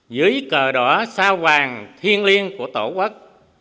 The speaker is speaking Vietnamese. dưới cờ đỏ sao vàng thiên liêng của tổ quốc